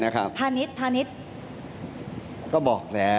แต่คนที่ให้กับพักนั้น